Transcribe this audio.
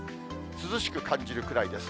涼しく感じるくらいです。